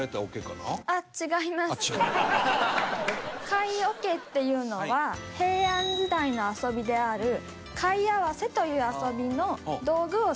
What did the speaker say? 貝桶っていうのは平安時代の遊びである貝合わせという遊びの道具をしまうもので。